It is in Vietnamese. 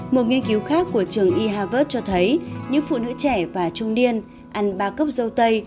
một nghiên cứu khác của trường e harvard cho thấy những phụ nữ trẻ và trung niên ăn ba cốc dâu tây